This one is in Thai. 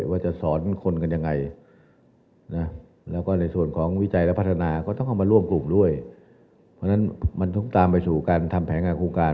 เพราะฉะนั้นมันต้องตามไปสู่การทำแผนงานครูการ